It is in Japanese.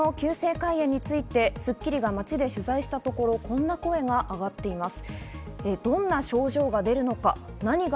この急性肝炎について『スッキリ』が街で取材したところ、こんな声が挙がっています。